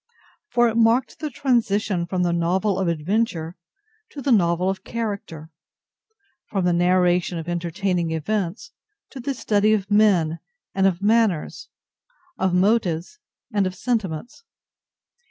For it marked the transition from the novel of adventure to the novel of character—from the narration of entertaining events to the study of men and of manners, of motives and of sentiments.